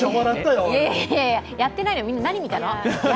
いやいや、やってないよ、みんな何見たの？